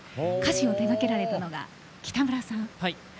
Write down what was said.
歌詞を手がけられたのは北村さん。